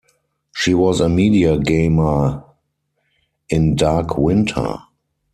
She was a media gamer in "Dark Winter".